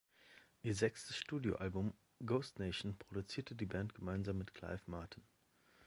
Ihr sechstes Studioalbum, „Ghost Nation“, produzierte die Band gemeinsam mit Clive Martin.